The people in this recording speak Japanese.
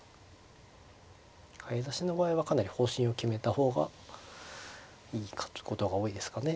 早指しの場合はかなり方針を決めた方がいいかってことが多いですかね。